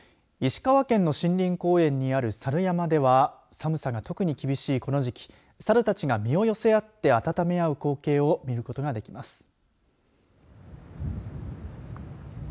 石川県の森林公園にあるサル山では寒さが特に厳しいこの時期サルたちが身を寄せ合って暖め合う光景を見ることができます。